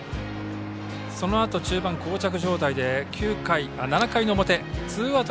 そのあと中盤、こう着状態で７回の表、ツーアウト